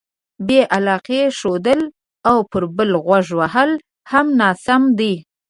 بې علاقې ښودل او پر بل غوږ وهل هم ناسم دي.